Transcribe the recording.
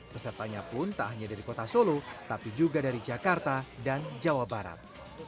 pesertanya pun tak hanya dari kota solo tapi juga dari jakarta dan jawa barat